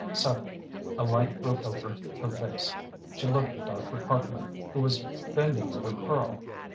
Suddenly a light broke over her face. She looked at Dr. Parkman, who was bending over Karl.